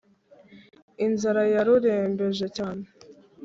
inzara yarurembeje cyane,